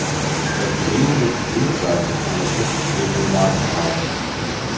Das Gewinde sitzt linksseitig an der feststehenden Lagerschale.